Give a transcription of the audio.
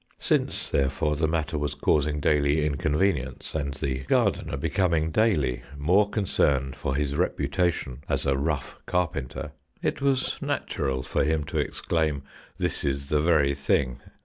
Since, therefore, the matter was causing daily inconvenience, and the gardener becoming daily more concerned for his reputation as a rough carpenter, it was natural for him to exclaim, "This is the very thing."